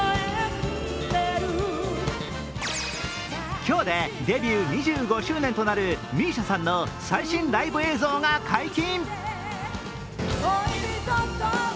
今日でデビュー２５周年となるＭＩＳＩＡさんの最新ライブ映像が解禁。